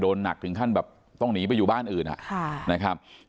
หนักถึงขั้นแบบต้องหนีไปอยู่บ้านอื่นนะครับ